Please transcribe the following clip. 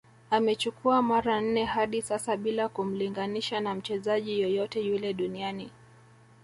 Amechukua mara nne hadi sasa Bila kumlinganisha na mchezaji yoyote yule duniani